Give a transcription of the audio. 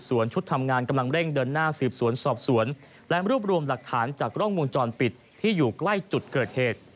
วงจรปิดที่อยู่ใกล้จุดเกิดเหตุ